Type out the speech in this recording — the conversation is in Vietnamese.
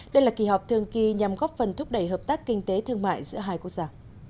đây là kỳ họp thường kỳ nhằm góp phần thúc đẩy hợp tác kinh tế thương mại giữa hai quốc gia